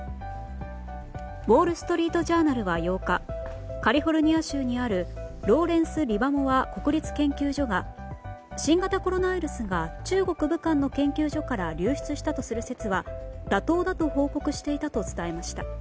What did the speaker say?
ウォール・ストリート・ジャーナルは８日カリフォルニア州にあるローレンス・リバモア国立研究所が新型コロナウイルスが中国・武漢の研究所から流出したとする説は妥当だと報告していたと伝えました。